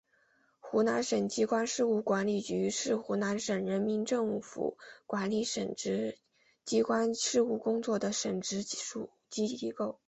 湖南省机关事务管理局是湖南省人民政府管理省直机关事务工作的省直属机构。